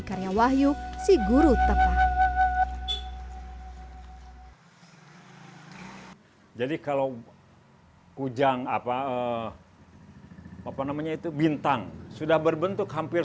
karya wahyu si guru tepat jadi kalau kujang apa apa namanya itu bintang sudah berbentuk hampir